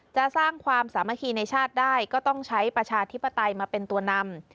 จะสร้างความสามัคคีในชาติได้ก็ต้องใช้ประชาธิปไตยมาเป็นตัวนำ